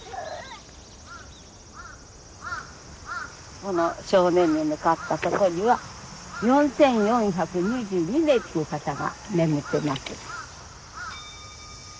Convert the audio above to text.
この正面に向かったとこには４，４２２名っていう方が眠ってます。